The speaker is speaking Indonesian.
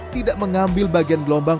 tidak mengambil bagian gelombang